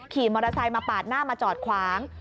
ขี่มอเตอร์ไซค์มาปาดหน้ามาจอดขวาง